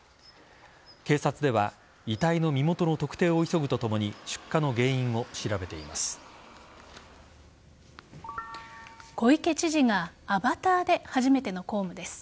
警察では遺体の身元の特定を急ぐとともに出火の原因を調べています。